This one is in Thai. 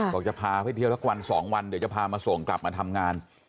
บอกจะพาไปเที่ยวสักวัน๒วันเดี๋ยวจะพามาส่งกลับมาทำงาน